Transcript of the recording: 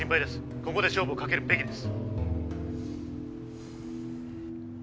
ここで勝負をかけるべきです